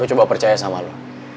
gua coba percaya sama lu